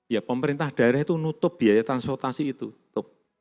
ya pemerintah daerah itu nutup biaya transportasi tutup